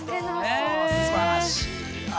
すばらしいな。